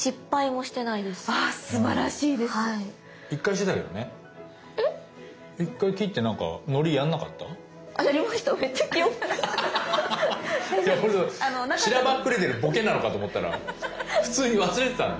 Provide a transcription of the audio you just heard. しらばっくれてるボケなのかと思ったら普通に忘れてたんだ。